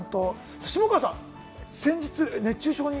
下川さん、先日、熱中症に？